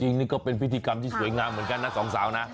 จริงนี่ก็เป็นพิธีกรรมที่สวยงามเหมือนกันนะสองสาวนะ